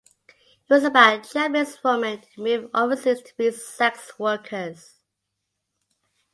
It was about Japanese women who moved overseas to be sex workers.